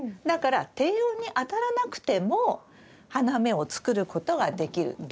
だから低温に当たらなくても花芽を作ることができる。